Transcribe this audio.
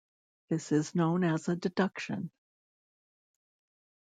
This is known as a "deduction".